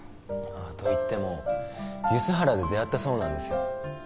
といっても梼原で出会ったそうなんですよ。